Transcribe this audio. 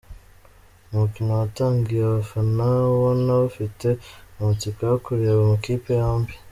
Umukino watangiye abafana ubona bafite amatsiko yo kureba amakipe yombi.